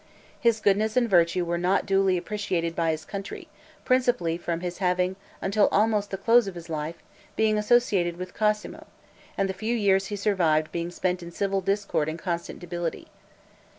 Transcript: His goodness and virtue were not duly appreciated by his country, principally from his having, until almost the close of his life, been associated with Cosmo, and the few years he survived being spent in civil discord and constant debility.